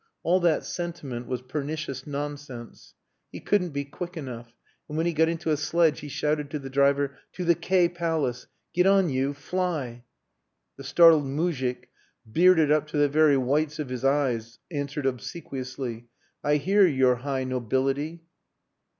All that sentiment was pernicious nonsense. He couldn't be quick enough; and when he got into a sledge he shouted to the driver "to the K Palace. Get on you! Fly!" The startled moujik, bearded up to the very whites of his eyes, answered obsequiously "I hear, your high Nobility."